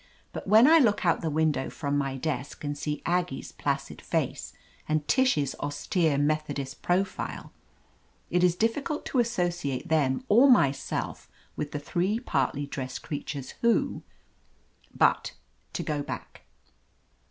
But when I look out the window from my desk and see Aggie's placid face, and Tish's austere Methodist profile, it is difficult to associate them or myself with the three partly dressed creatures who — But to go back.